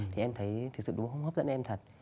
thì em thấy thực sự đúng không hấp dẫn em thật